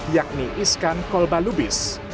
yakni iskan kolbalubis